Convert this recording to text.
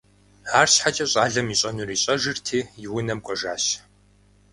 АрщхьэкӀэ щӀалэм ищӀэнур ищӀэжырти, и унэм кӀуэжащ.